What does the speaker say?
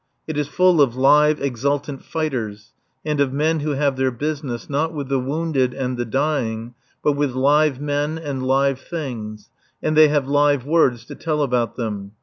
It is full of live, exultant fighters, and of men who have their business not with the wounded and the dying but with live men and live things, and they have live words to tell about them.